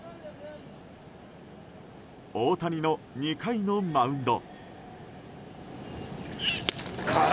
大谷の２回のマウンド。